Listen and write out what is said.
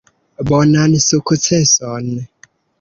Bonan sukceson!